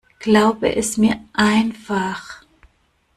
Glaube es mir einfach.